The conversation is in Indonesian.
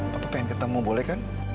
papa pengen ketemu boleh kan